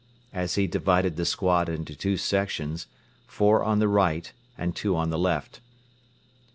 as he divided the squad into two sections, four on the right and two on the left.